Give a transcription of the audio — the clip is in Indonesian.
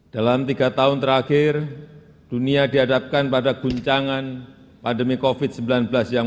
dalam tiga tahun terakhir dunia dihadapkan pada guncangan pandemi covid sembilan belas yang menelan korban enam sembilan juta orang